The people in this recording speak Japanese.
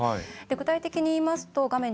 具体的に言いますと画面